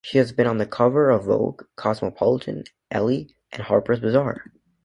She has been on the cover of "Vogue", "Cosmopolitan", "Elle", and "Harper's Bazaar".